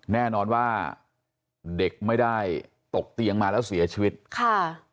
แน่นอนว่าเด็กไม่ได้ตกเตียงมาแล้วเสียชีวิตค่ะ